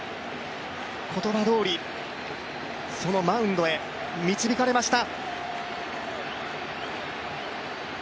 言葉どおり、そのマウンドへ導かれました。